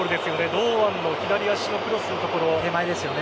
堂安の左足のクロスのところ。